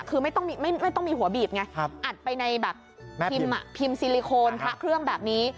คือไม่ต้องมีหัวบีบไงอัดไปในแบบพิมพ์ซิลิโคนพระเครื่องแบบนี้